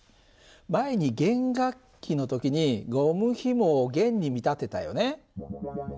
前に弦楽器の時にゴムひもを弦に見立てたよね。